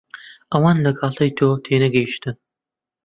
ئەوان لە گاڵتەی تۆ تێنەگەیشتن.